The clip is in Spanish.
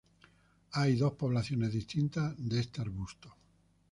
Hay dos poblaciones distintas de este arbusto.